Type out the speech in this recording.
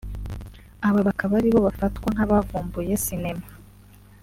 aba bakaba aribo bafatwa nk’abavumbuye sinema